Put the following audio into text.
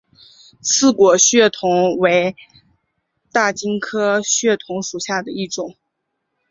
刺果血桐为大戟科血桐属下的一个种。